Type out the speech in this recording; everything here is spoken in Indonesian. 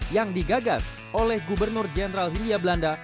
yang digagas oleh gubernur jenderal hindia belanda